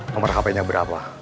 nomor hpnya berapa